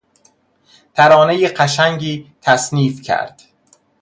ترانهٔ قشنگی تصنیف کرد.